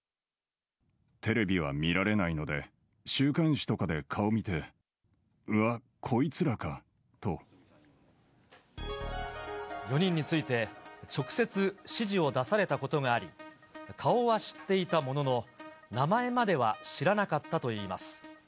テレビは見られないので、週刊誌とかで顔見て、うわ、４人について、直接指示を出されたことがあり、顔は知っていたものの、名前までは知らなかったといいます。